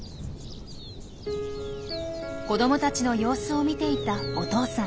子どもたちの様子を見ていたお父さん。